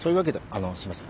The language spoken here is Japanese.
あのすいません。